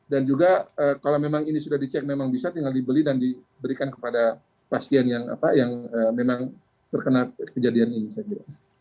dan juga kalau memang ini sudah dicek memang bisa tinggal dibeli dan diberikan kepada pasien yang memang terkena kejadian ini